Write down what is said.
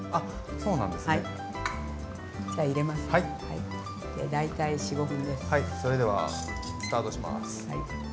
それではスタートします。